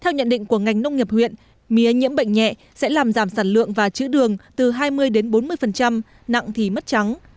theo nhận định của ngành nông nghiệp huyện mía nhiễm bệnh nhẹ sẽ làm giảm sản lượng và chữ đường từ hai mươi đến bốn mươi nặng thì mất trắng